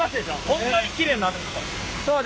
こんなにきれいになるんですか？